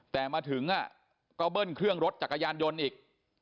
แต่มาถึงก็เบิ้ลเครื่องรถจักรยานยนต์อีก